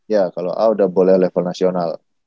ya kalau a udah boleh level nasional